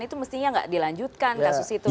itu mestinya nggak dilanjutkan kasus itu